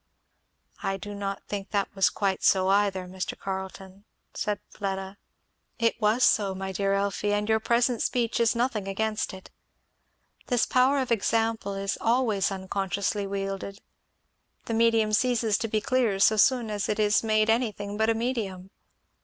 "I do not think that was quite so either, Mr. Carleton," said Fleda. "It was so, my dear Elfie, and your present speech is nothing against it. This power of example is always unconsciously wielded; the medium ceases to be clear so soon as it is made anything but a medium.